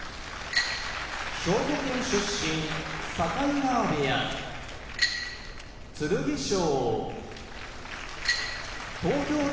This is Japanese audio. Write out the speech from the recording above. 兵庫県出身境川部屋剣翔千代翔